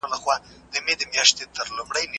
د دلارام سیند اوبه سږ کال د فصلونو لپاره پوره وې